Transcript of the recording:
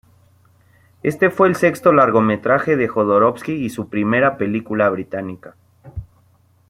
Este fue el sexto largometraje de Jodorowsky y su primera película británica.